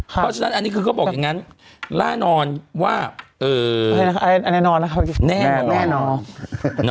เพราะฉะนั้นอันนี้คือก็บอกอย่างงั้นแน่นอนว่าแน่นอน